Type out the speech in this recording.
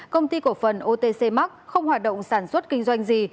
công ty cổ phần otc mark không hoạt động sản xuất kinh doanh gì